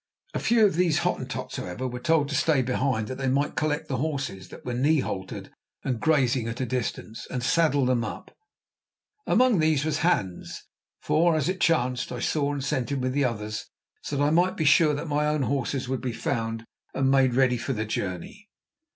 A few of these Hottentots, however, were told to stay behind that they might collect the horses, that were knee haltered and grazing at a distance, and saddle them up. Among these was Hans, for, as it chanced, I saw and sent him with the others, so that I might be sure that my own horses would be found and made ready for the journey.